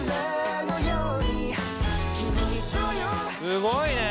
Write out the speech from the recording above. すごいね。